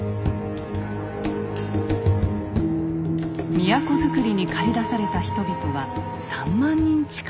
都づくりに駆り出された人々は３万人近く。